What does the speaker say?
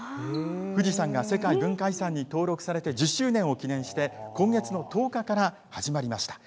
富士山が世界文化遺産に登録されて１０周年を記念して、今月の１０日から始まりました。